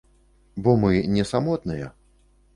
Бо мы не самотныя.